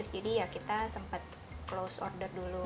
jadi ya kita sempat close order dulu